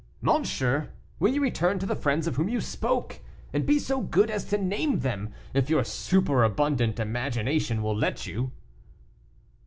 "Monsieur, will you return to the friends of whom you spoke, and be so good as to name them, if your super abundant imagination will let you."